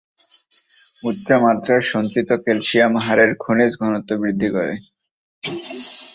উচ্চ মাত্রার সঞ্চিত ক্যালসিয়াম হাড়ের খনিজ ঘনত্ব বৃদ্ধি করে।